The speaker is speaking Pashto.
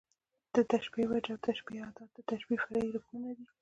د تشبېه وجه او د تشبېه ادات، د تشبېه فرعي رکنونه دي.